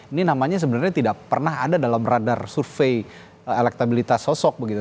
ini namanya sebenarnya tidak pernah ada dalam radar survei elektabilitas sosok begitu